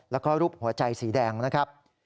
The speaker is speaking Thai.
แล้วก็รูปหัวใจสีแดงนะครับ